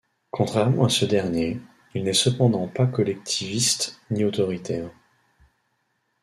Contrairement à ce dernier, il n'est cependant pas collectiviste ni autoritaire.